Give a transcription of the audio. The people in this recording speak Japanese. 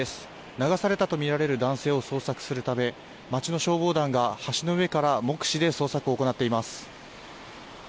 流されたとみられる男性を捜索するため街の消防団が橋の上から目視で捜索を行っています。